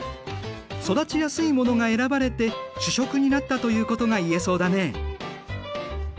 育ちやすいものが選ばれて主食になったということが言えそうだね。